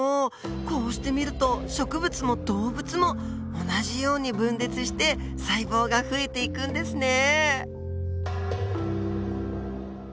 こうして見ると植物も動物も同じように分裂して細胞が増えていくんですね。